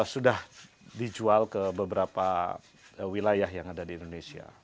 sudah dijual ke beberapa wilayah yang ada di indonesia